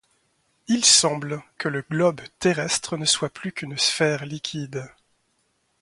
Il semble que le globe terrestre ne soit plus qu’une sphère liquide.